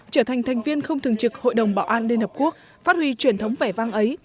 trở thành thành viên không thường trực hội đồng bảo an liên hợp quốc phát huy truyền thống vẻ vang ấy